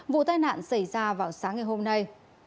vụ tai nạn xảy ra vào sáng ngày hôm nay